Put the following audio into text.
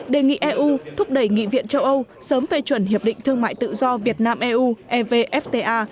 đề nghị eu thúc đẩy nghị viện châu âu sớm phê chuẩn hiệp định thương mại tự do việt nam eu evfta